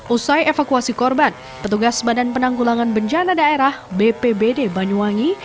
usai evakuasi korban petugas badan penanggulangan bencana daerah bpbd banyuwangi